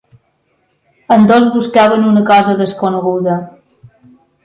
Ambdós buscaven una cosa desconeguda.